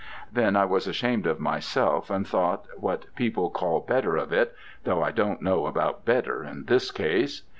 Then I was ashamed of myself, and thought what people call better of it, though I don't know about "better" in this case.